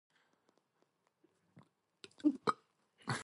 Only four paratroopers and two Filipino guerrillas were killed in the raid.